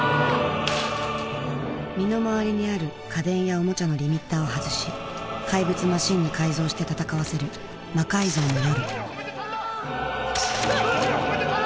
身の回りにある家電やおもちゃのリミッターを外し怪物マシンに改造して戦わせる「魔改造の夜」